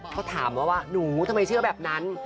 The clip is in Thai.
เขาถามมาว่าหนูทำไมเชื่อแบบนั้น